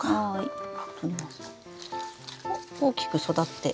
おっ大きく育って。